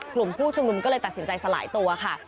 กลุ่มผู้ชุมนุมก็เลยตัดสินใจสลายตัวค่ะ